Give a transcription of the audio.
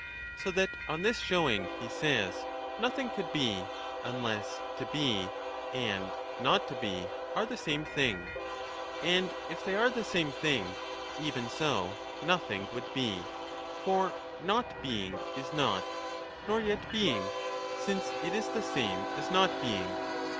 So that on this showing, he says, nothing could be, unless To Be and Not to Be are the same thing. 30 And if they are the same thing, even so nothing would be ; for Not being is not, nor yet Being, since it is the same as Not being.